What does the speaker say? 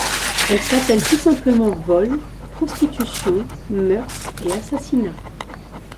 Elle s'appelle tout simplement vol, prostitution, meurtre et assassinat.